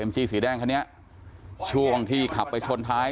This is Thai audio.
จี้สีแดงคันนี้ช่วงที่ขับไปชนท้าย